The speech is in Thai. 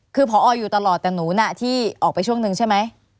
คือพออยู่ตลอดแต่หนูน่ะที่ออกไปช่วงหนึ่งใช่ไหม